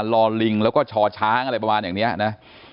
รอลิงแล้วก็ชอช้างอะไรประมาณอย่างนี้นะ